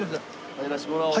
入らせてもらおう。